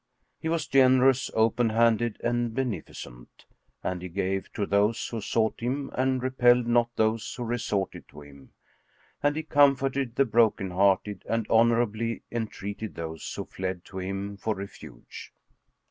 He was generous, open handed and beneficent, and he gave to those who sought him and repelled not those who resorted to him; and he comforted the broken hearted and honourably entreated those who fled to him for refuge.